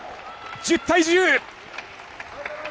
１０対１０！